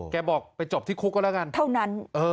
บอกไปจบที่คุกก็แล้วกันเท่านั้น